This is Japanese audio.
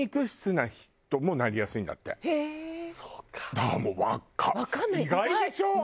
だからもう意外でしょ？